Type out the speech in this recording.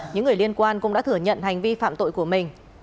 những người liên quan cũng đã thừa nhận hành vi phạm tội của mình